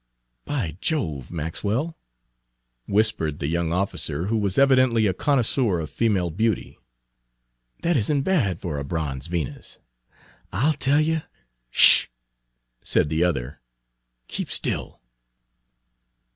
"By Jove, Maxwell!" whispered the young officer, who was evidently a connoisseur of female beauty, "that is n't bad for a bronze Venus. I 'll tell you" " 'Sh!" said the other. "Keep still."